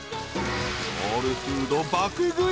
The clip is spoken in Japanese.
［ソウルフード爆食い］